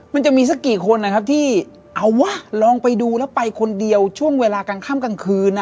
มันจะมีสักกี่คนนะครับที่เอาวะลองไปดูแล้วไปคนเดียวช่วงเวลากลางค่ำกลางคืน